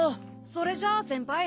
それじゃあ先輩。